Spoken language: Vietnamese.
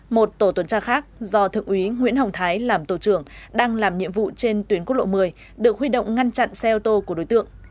một tổ tuần tra khác do thượng úy nguyễn hồng thái làm tổ trưởng đang làm nhiệm vụ trên tuyến quốc lộ một mươi được huy động ngăn chặn xe ô tô của đối tượng